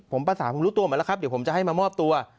ผมประสานผมรู้ตัวหมดแล้วครับเดี๋ยวผมจะให้มามอบตัว